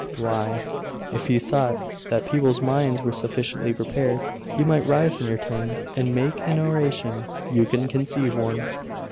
why,.... if you thought that people's minds were sufficiently prepared, you might rise in your turn, and make an oration you can conceive one.